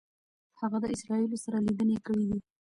هغه د اسرائیلو سره لیدنې کړي دي.